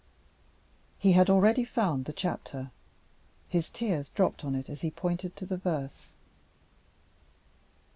He had already found the chapter. His tears dropped on it as he pointed to the verse.